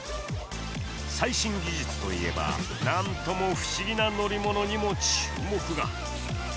最新技術といえば、なんとも不思議な乗り物にも注目が。